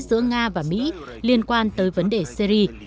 giữa nga và mỹ liên quan tới vấn đề syri